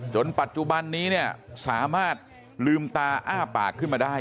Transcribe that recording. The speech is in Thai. ปัจจุบันนี้เนี่ยสามารถลืมตาอ้าปากขึ้นมาได้